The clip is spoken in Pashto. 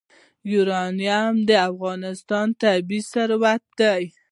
یورانیم د افغانستان طبعي ثروت دی.